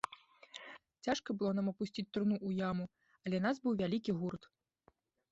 Цяжка было нам апусціць труну ў яму, але нас быў вялікі гурт.